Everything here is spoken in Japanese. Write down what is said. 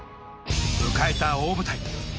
迎えた大舞台。